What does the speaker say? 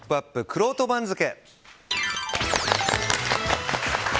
くろうと番付。